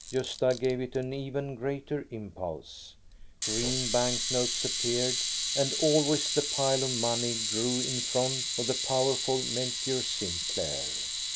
Gosta gave it an even greater impulse. Green bank notes appeared, and always the pile of money grew in front of the power ful Melchior Sinclair.